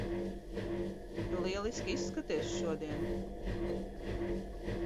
Tu lieliski izskaties šodien!